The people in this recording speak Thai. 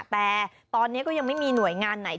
แต่ตอนนี้ก็ยังไม่มีหน่วยงานไหน